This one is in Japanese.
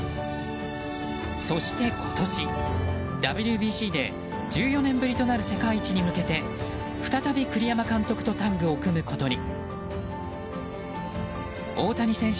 そして今年、ＷＢＣで１４年ぶりとなる世界一に向けて再び栗山監督とタッグを組むことに。